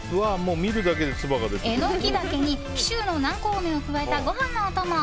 エノキダケに紀州の南高梅を加えたご飯のお供。